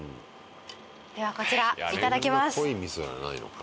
ではこちらいただきます。